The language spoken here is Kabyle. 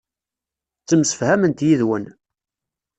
Ttemsefhament yid-wen.